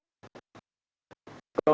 setelah menelaped lemari terbit